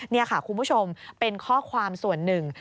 นี่ค่ะคุณผู้ชมเป็นข้อความส่วนหนึ่ง